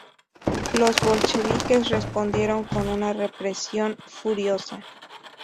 Los bolcheviques respondieron con una represión furiosa.